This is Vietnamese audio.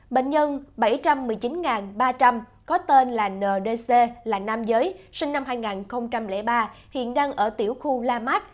bệnh nhân bảy trăm một mươi chín ba trăm linh có tên là ndc là nam giới sinh năm hai nghìn ba hiện đang ở tiểu khu la mát